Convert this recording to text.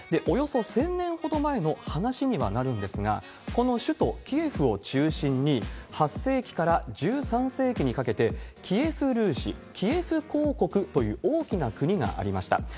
およそ１０００年ほど前の話にはなるんですが、この首都キエフを中心に、８世紀から１３世紀にかけてキエフ・ルーシ、キエフ公国という大きな国がありました。